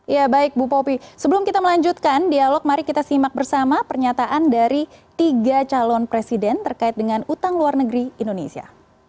ya baik bu popi sebelum kita melanjutkan dialog mari kita simak bersama pernyataan dari tiga calon presiden terkait dengan utang luar negeri indonesia